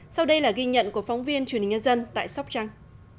sau đây là ghi nhận của phóng viên truyền hình nhân dân tại sóc trăng